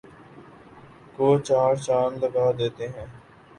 کو چار چاند لگا دیتے ہیں